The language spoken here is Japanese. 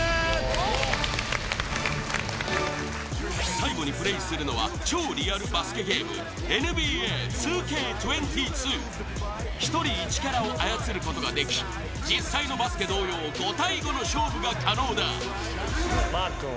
最後にプレイするのは超リアルバスケゲーム１人１キャラを操ることができ実際のバスケ同様５対５の勝負が可能だ。